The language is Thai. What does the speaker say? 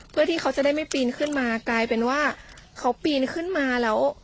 เพื่อที่เขาจะได้ไม่ปีนขึ้นมากลายเป็นว่าเขาปีนขึ้นมาแล้ว